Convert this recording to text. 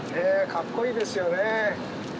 かっこいいですよね